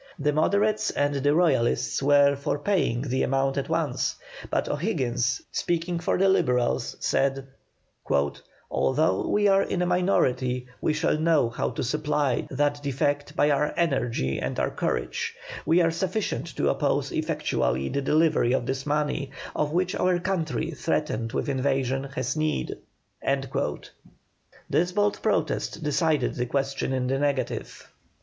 The Moderates and the Royalists were for paying the amount at once, but O'Higgins, speaking for the Liberals, said: "Although we are in a minority we shall know how to supply that defect by our energy and our courage; we are sufficient to oppose effectually the delivery of this money, of which our country threatened with invasion has need." This bold protest decided the question in the negative.